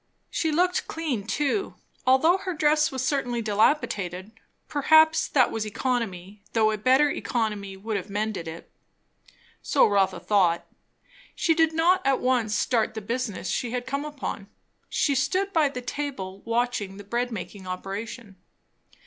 She looked clean too, although her dress was certainly dilapidated; perhaps that was economy, though a better economy would have mended it. So Rotha thought. She did not at once start the business she had come upon; she stood by the table watching the bread making operation. Mrs.